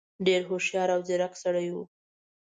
ډېر هوښیار او ځيرک سړی وو.